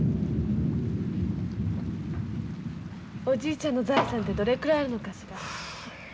おじいちゃんの財産ってどれくらいあるのかしら？